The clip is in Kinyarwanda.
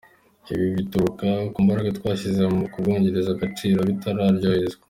Ibi bituruka ku mbaraga twashyize mu kubyongerera agaciro bitaroherezwa.